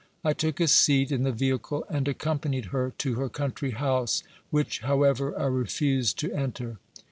I took a seat in the vehicle and accompanied her to her country house, which, however, I refused to enter.